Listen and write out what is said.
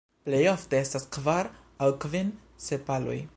Plej ofte estas kvar aŭ kvin sepaloj.